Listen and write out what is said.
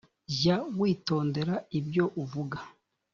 jya witondera ibyo uvuga